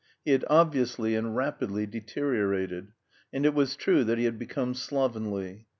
He had obviously and rapidly deteriorated; and it was true that he had become slovenly.